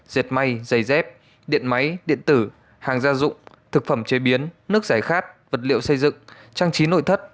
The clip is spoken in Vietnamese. dệt may giày dép điện máy điện tử hàng gia dụng thực phẩm chế biến nước giải khát vật liệu xây dựng trang trí nội thất